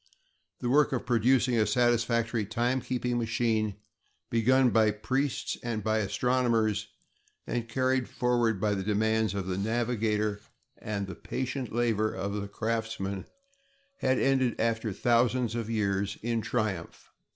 The work of producing a satisfactory timekeeping machine, begun by priests and by astronomers, and carried forward by the demands of the navigator and the patient labor of the craftsman, had ended after thousands of years, in triumph.